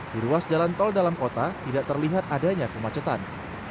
di ruas jalan tol dalam kota tidak terlihat adanya kemacetan